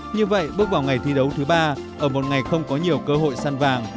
như vậy bước vào ngày thi đấu thứ ba ở một ngày không có nhiều cơ hội săn vàng